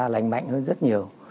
lành mạnh hơn rất nhiều